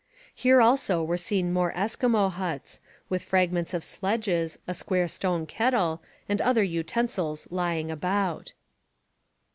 Here also were seen more Eskimo huts, with fragments of sledges, a square stone kettle, and other utensils lying about.